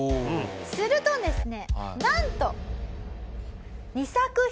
するとですねなんと。